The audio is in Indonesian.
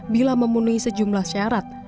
bila memenuhi sejumlah syarat